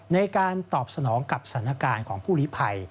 ในการตอบสนองกับสถานการณ์ของผู้ลิภัย